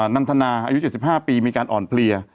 นันทนาอายุ๗๕ปีมีการอ่อนเพลีย